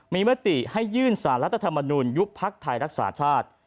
มีมติให้ยื่นสารรัฐธรรมนูลยุบพักไทยรักษาชาติ